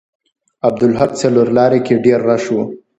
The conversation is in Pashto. عبدالحق څلور لارې کې ډیر رش و.